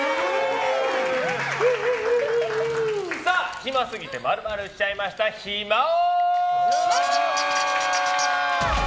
暇すぎて○○しちゃいました暇王！